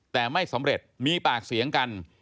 แต่ไม่สำเร็จมีปากเสียงกัน